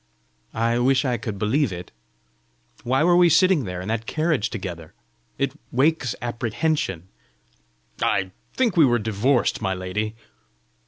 "I wish I could believe it! Why were we sitting there in that carriage together? It wakes apprehension!" "I think we were divorced, my lady!"